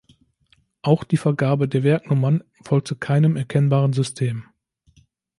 Auch die Vergabe der Werknummern folgte keinem erkennbaren System.